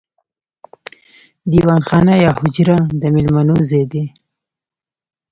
دیوان خانه یا حجره د میلمنو ځای دی.